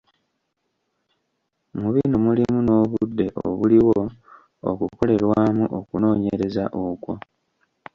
Mu bino mulimu n’obudde obuliwo okukolerwamu okunoonyereza okwo.